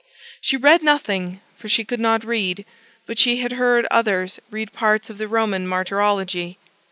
She read nothing, for she could not read; but she had heard others read parts of the Roman martyrology.